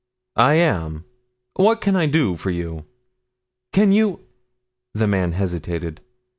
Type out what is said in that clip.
"I am, what can I do for you?" "Can you ?" the man hesitated.